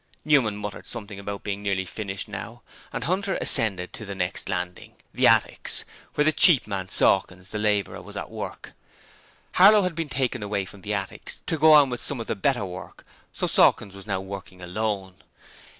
Newman muttered something about being nearly finished now, and Hunter ascended to the next landing the attics, where the cheap man Sawkins, the labourer was at work. Harlow had been taken away from the attics to go on with some of the better work, so Sawkins was now working alone.